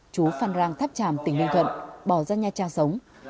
chú phan rang tháp tràm tỉnh ninh thuận bỏ ra nha trang sống